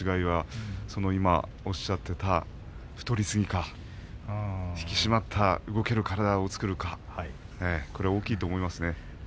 今おっしゃっていた太りすぎか引き締まった動ける体を作るかこれは大きいと思いますね。